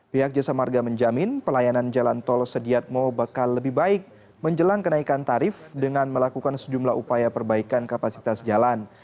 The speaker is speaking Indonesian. pihak jasa marga menjamin pelayanan jalan tol sediatmo bakal lebih baik menjelang kenaikan tarif dengan melakukan sejumlah upaya perbaikan kapasitas jalan